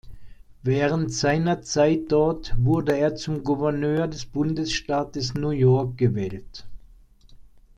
Während seiner Zeit dort wurde er zum Gouverneur des Bundesstaates New York gewählt.